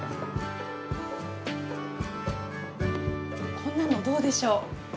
こんなのどうでしょう？